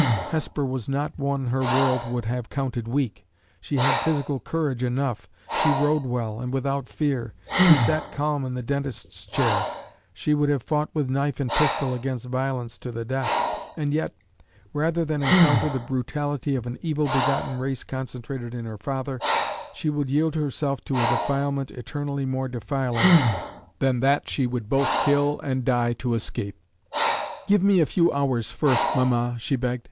Hesper was not one her world would have counted weak; she had physical courage enough; she rode well, and without fear; she sat calm in the dentist's chair; she would have fought with knife and pistol against violence to the death; and yet, rather than encounter the brutality of an evil begotten race concentrated in her father, she would yield herself to a defilement eternally more defiling than that she would both kill and die to escape. "Give me a few hours first, mamma," she begged.